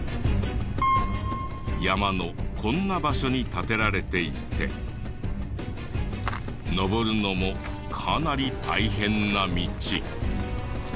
山のこんな場所に立てられていて登るのもかなり大変な道。